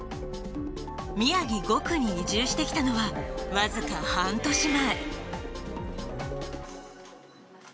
宮城５区に移住してきたのは、僅か半年前。